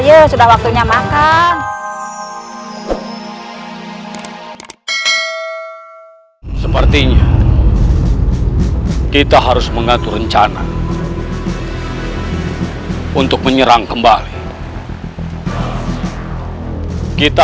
ya sudah waktunya makan sepertinya kita harus mengatur rencana untuk menyerang kembali